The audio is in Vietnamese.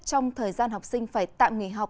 trong thời gian học sinh phải tạm nghỉ học